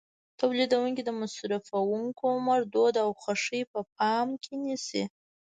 تولیدوونکي د مصرفوونکو عمر، دود او خوښې په پام کې نیسي.